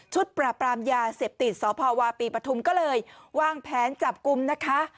ปราบปรามยาเสพติดสพวาปีปฐุมก็เลยวางแผนจับกลุ่มนะคะ